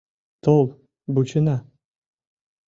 Тол, вучена».